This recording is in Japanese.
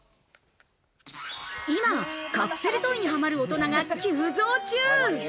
今、カプセルトイにはまる大人が急増中。